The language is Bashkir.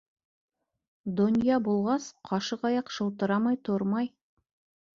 Донъя булғас, ҡашығаяҡ шылтырамай тормай.